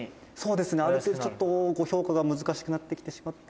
ちょっと、ご評価が難しくなってきてしまって」